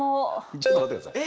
ちょっと待って下さい。